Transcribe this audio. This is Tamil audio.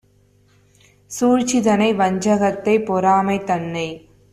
சூழ்ச்சிதனை வஞ்சகத்தைப் பொறாமை தன்னைத்